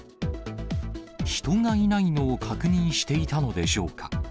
人がいないのを確認していたのでしょうか。